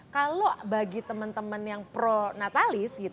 kalau bagi teman teman yang pro natalis